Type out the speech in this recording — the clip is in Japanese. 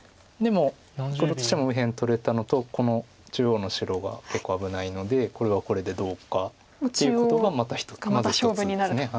黒としても右辺取れたのとこの中央の白が結構危ないのでこれはこれでどうかっていうことがまず１つです。